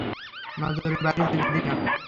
নজরের বাইরে যেতে দিস না।